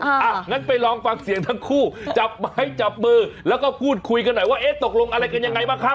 อ่ะงั้นไปลองฟังเสียงทั้งคู่จับไม้จับมือแล้วก็พูดคุยกันหน่อยว่าเอ๊ะตกลงอะไรกันยังไงบ้างครับ